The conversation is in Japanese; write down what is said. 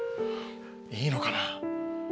いいのかな。